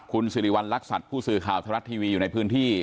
คุณสิริวัณรักษัตริย์ผู้สื่อข่าวทรัฐทีวีอยู่ในพื้นที่